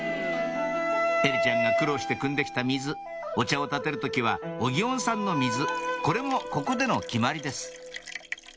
絵理ちゃんが苦労してくんで来た水お茶をたてる時はお祇園さんの水これもここでの決まりです